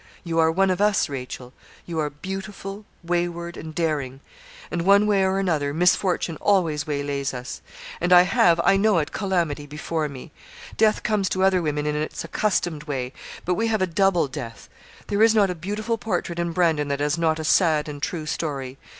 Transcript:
You are one of us, Rachel. You are beautiful, wayward, and daring, and one way or another, misfortune always waylays us; and I have, I know it, calamity before me. Death comes to other women in its accustomed way; but we have a double death. There is not a beautiful portrait in Brandon that has not a sad and true story.